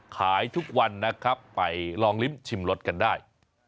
ขายทุกวันนะครับไปลองลิ้มชิมรสกันได้